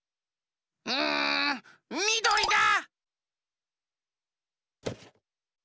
うんみどりだ！